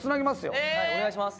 お願いします。